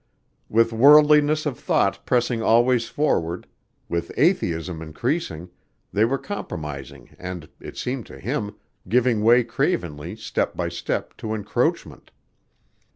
With worldliness of thought pressing always forward; with atheism increasing, they were compromising and, it seemed to him, giving way cravenly, step by step, to encroachment.